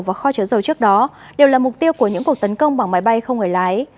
và kho chứa dầu trước đó đều là mục tiêu của những cuộc tấn công bằng máy bay không người lái